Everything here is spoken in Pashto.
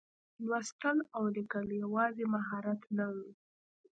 لوستل او لیکل یوازې مهارت نه و.